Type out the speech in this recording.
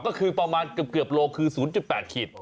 ก็คือประมาณเกือบโลคือ๐๘ขีด